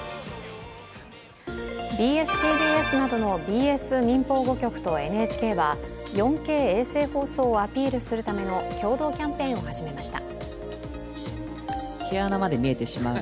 ＢＳ−ＴＢＳなどのＢＳ民放５局とＮＨＫは４Ｋ衛星放送をアピールするための共同キャンペーンを始めました。